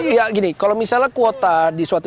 iya gini kalau misalnya kuota di suatu